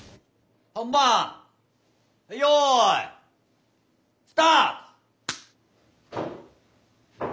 本番よいスタート！